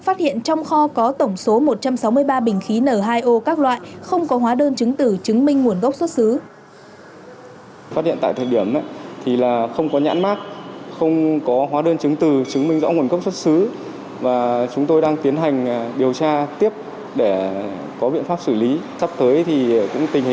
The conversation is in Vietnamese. phát hiện trong kho có tổng số một trăm sáu mươi ba bình khí n hai o các loại không có hóa đơn chứng từ chứng minh